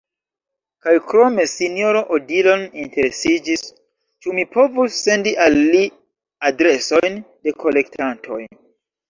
Kaj krome Sinjoro Odilon interesiĝis, ĉu mi povus sendi al li adresojn de kolektantoj.